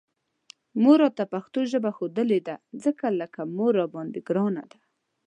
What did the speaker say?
مور راته پښتو ژبه ښودلې ده، ځکه لکه مور راباندې ګرانه ده